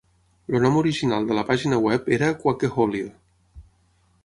El nom original de la pàgina web era Quakeholio.